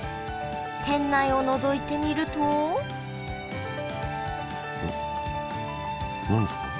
店内をのぞいてみると何ですか？